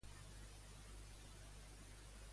Quina part es pot encara apercebre?